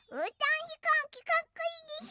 ひこうきかっこいいでしょ？